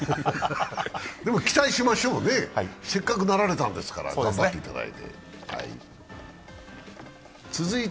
でも期待しましょうね、せっかくなられたんですから頑張っていただいて。